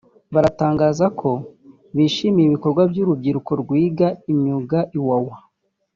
baratangazako bishimiye ibikorwa by’urubyiruko rw’iga imyuga Iwawa